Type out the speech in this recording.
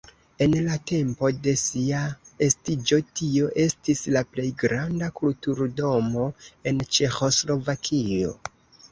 En la tempo de sia estiĝo tio estis la plej granda kulturdomo en Ĉeĥoslovakio.